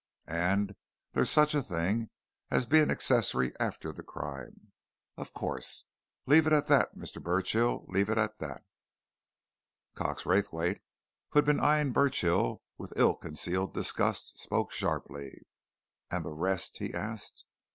And there's such a thing as being accessory after the crime of course. Leave it at that, Mr. Burchill, leave it at that!" Cox Raythwaite, who had been eyeing Burchill with ill concealed disgust, spoke sharply. "And the rest?" he asked.